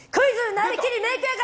なりきりメイク館